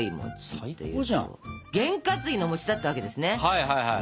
はいはいはい。